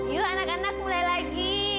yuk anak anak mulai lagi